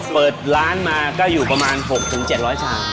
เปิดร้านมาก็อยู่ประมาณ๖๗๐๐ชาม